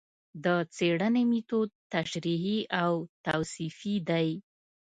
د څېړنې مېتود تشریحي او توصیفي دی